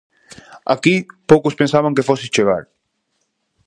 Aquí, poucos pensaban que fose chegar.